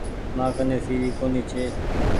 مآ ڪني سي وي ڪونيٚ ڇي۔